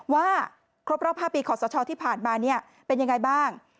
ว่าครบ๕ปีขอสเชาที่ผ่านมาเป็นอย่างไรบ้าง